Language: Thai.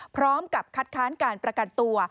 พร้อมกับคัดค้านการประกันตัว